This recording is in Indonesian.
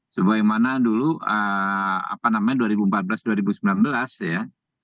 sebagaimana dulu apa namanya dua ribu empat belas dua ribu sembilan belas ya